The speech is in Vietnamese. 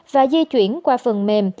và di chuyển qua phần mềm